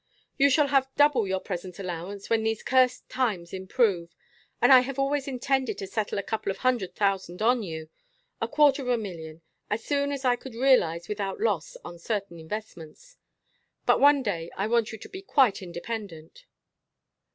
"You shall have double your present allowance when these cursed times improve. And I have always intended to settle a couple of hundred thousand on you a quarter of a million as soon as I could realize without loss on certain investments. But one day I want you to be quite independent."